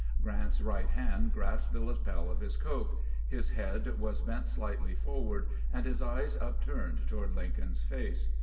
Grant's right hand grasped the lapel of his coat; his head was bent slightly forward, and his eyes upturned toward Lincoln's face.